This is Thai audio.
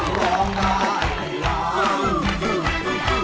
รูปสุดงามสมสังคมเครื่องใครแต่หน้าเสียดายใจทดสกัน